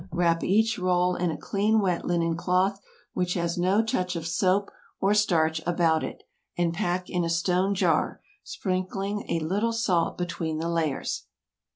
Wrap each roll in a clean wet linen cloth, which has no touch of soap or starch about it, and pack in a stone jar, sprinkling a little salt between the layers.